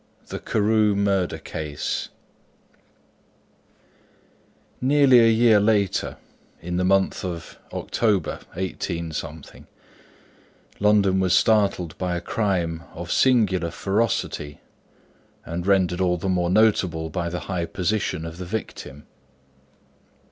THE CAREW MURDER CASE Nearly a year later, in the month of October, 18—, London was startled by a crime of singular ferocity and rendered all the more notable by the high position of the victim.